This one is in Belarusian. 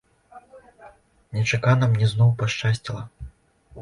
Нечакана мне зноў пашчасціла.